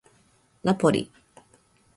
ナポリ